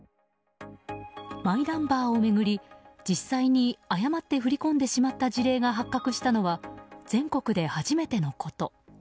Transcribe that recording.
マイナンバーを巡り、実際に誤って振り込んでしまった事例が発覚したのは全国で初めてのこと。